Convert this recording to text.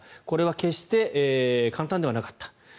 これは決して簡単ではなかった。